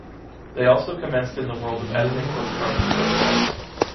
They also commenced in the world of editing postcards and photographs.